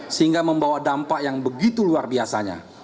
sehingga membawa dampak yang begitu luar biasanya